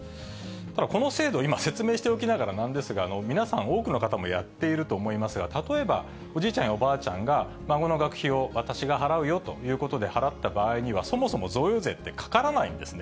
ただ、この制度、今説明しておきながら、なんですが、皆さん、多くの方もやっていると思いますが、例えば、おじいちゃんやおばあちゃんが、孫の学費を私が払うよということで、払った場合には、そもそも贈与税ってかからないんですね。